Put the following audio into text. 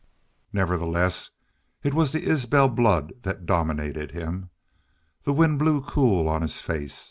Nevertheless, it was the Isbel blood that dominated him. The wind blew cool on his face.